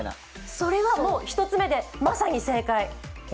それは一つ目でまさに正解。